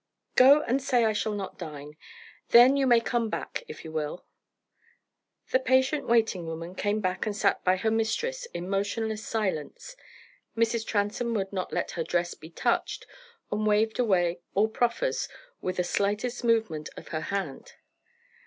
"Go and say I shall not dine. Then you may come back, if you will." The patient waiting woman came back and sat by her mistress in motionless silence, Mrs. Transome would not let her dress be touched, and waved away all proffers with a slight movement of her hand.